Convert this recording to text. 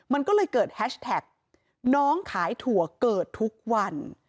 มันก็เลยเกิดแฮชแท็กน้องขายถั่วเกิดทุกวัน